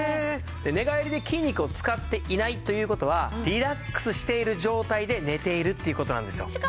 寝返りで筋肉を使っていないという事はリラックスしている状態で寝ているっていう事なんですよ。